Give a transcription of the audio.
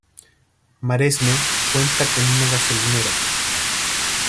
Maresme, cuenta con una gasolinera.